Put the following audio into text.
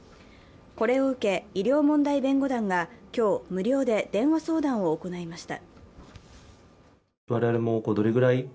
これを受け、医療問題弁護団が今日、無料で電話相談を行いました。